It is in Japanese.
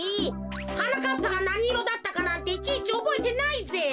はなかっぱがなにいろだったかなんていちいちおぼえてないぜ。